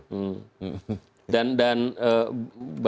dan bapak tidak mengantisipasi itu